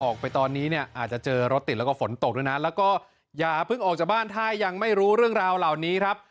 ออกไปตอนนี้เนี่ยอาจจะเจอรถติดแล้วก็ฝนตกด้วยนะแล้วก็อย่าเพิ่งออกจากบ้านถ้ายังไม่รู้เรื่องราวเหล่านี้ครับ